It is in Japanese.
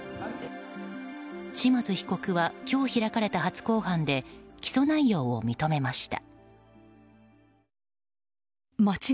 嶋津被告は今日開かれた初公判で起訴内容を認めました。